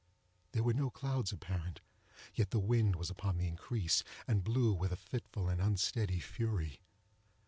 There were no clouds apparent, yet the wind was upon the increase, and blew with a fitful and unsteady fury.